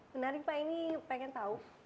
menarik pak ini pengen tahu